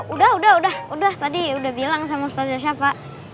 udah udah udah tadi udah bilang sama ustad jesafa